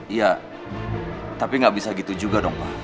iya tapi nggak bisa gitu juga dong pak